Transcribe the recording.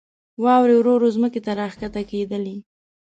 واورې ورو ورو ځمکې ته راکښته کېدلې.